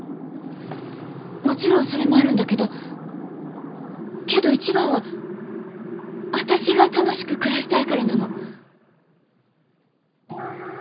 もちろんそれもあるんだけどけど一番は私が楽しく暮らしたいからなの。